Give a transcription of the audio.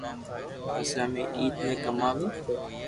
پسي امي عيد پي ڪماوي